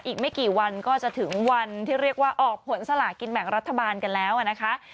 อีกไม่กี่วันก็จะถึงวันที่เรียกว่าออกผลสลากินแบ่งรัฐบาลกันแล้วนะคะ